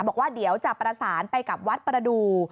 บอกว่าเดี๋ยวจะประสานไปกับวัดประดู